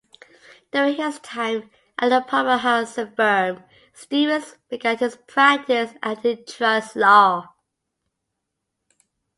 During his time at the Poppenhusen firm, Stevens began his practice in antitrust law.